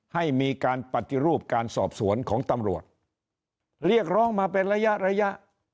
ให้มีการปฏิรูปการสอบสวนของตำรวจเรียกร้องมาเป็นระยะระยะ